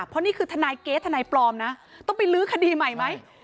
เพราะนี่คือทนายเก๊ทนายปลอมนะต้องไปลื้อคดีใหม่ไหม